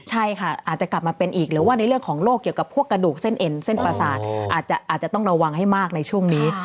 ใช่ค่ะอาจจะกลับมาเป็นอีกหรือว่าในเรื่องของโรคเกี่ยวกับพวกกระดูกเส้นเอ็นเส้นประสาทอาจจะต้องระวังให้มากในช่วงนี้